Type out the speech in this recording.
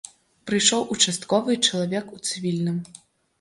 Прыйшоў участковы і чалавек у цывільным.